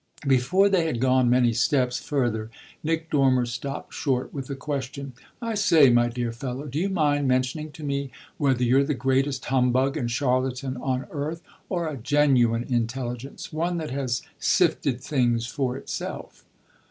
Before they had gone many steps further Nick Dormer stopped short with a question. "I say, my dear fellow, do you mind mentioning to me whether you're the greatest humbug and charlatan on earth, or a genuine intelligence, one that has sifted things for itself?"